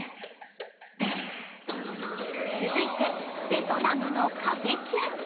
続いてベトナムのカフェチュン。